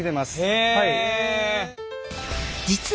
へえ。